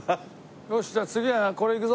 よしじゃあ次はこれ行くぞ。